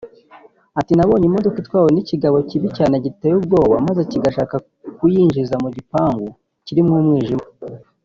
Ati “Nabonye imodoka itwawe n’ikigabo kibi cyane giteye ubwoba maze kigashaka kuyinjiza mu gipangu kirimo umwijima